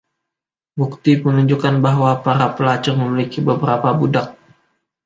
Bukti menunjukkan bahwa para pelacur memiliki beberapa budak.